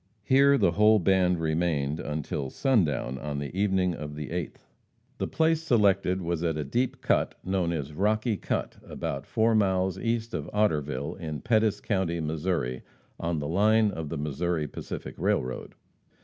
Here the whole band remained until sundown on the evening of the 8th. The place selected was at a deep cut known as Rocky Cut, about four miles east of Otterville, in Pettis county, Missouri, on the line of the Missouri Pacific railroad.